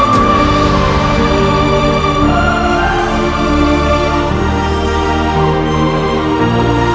kau masih putraku